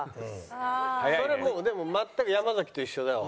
それはもう全く山崎と一緒だわ。